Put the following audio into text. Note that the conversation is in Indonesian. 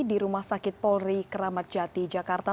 di rumah sakit polri keramat jati jakarta